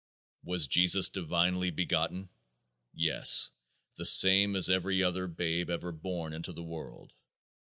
Was Jesus divinely begotten? Yes, the same as every other babe ever born into the world.